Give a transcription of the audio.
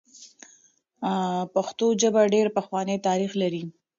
پښتو ژبه ډېر پخوانی تاریخ لري.